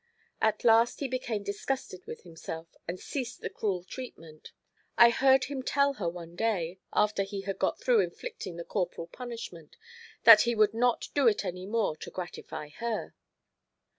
At last he became disgusted with himself and ceased the cruel treatment. I heard him tell her one day—after he had got through inflicting the corporal punishment—that he would not do it any more to gratify her.